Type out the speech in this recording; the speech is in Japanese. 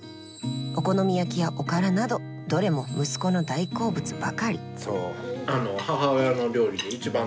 お好み焼きやおからなどどれも息子の大好物ばかり。